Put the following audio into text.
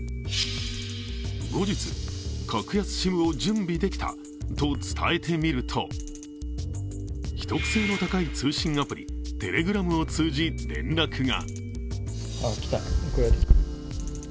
後日、格安ＳＩＭを準備できたと伝えてみると、秘匿性の高い通信アプリ、Ｔｅｌｅｇｒａｍを通じ、連絡が。